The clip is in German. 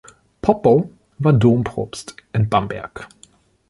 Poppo war Dompropst in Bamberg.